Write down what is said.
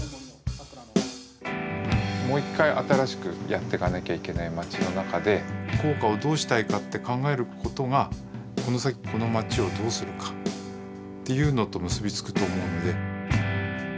もう一回新しくやってかなきゃいけない町の中で校歌をどうしたいかって考えることがこの先この町をどうするかっていうのと結び付くと思うので。